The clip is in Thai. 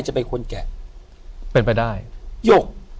หยก